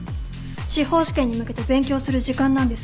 司法試験に向けて勉強する時間なんです。